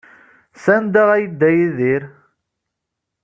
Sanda ay yedda Yidir?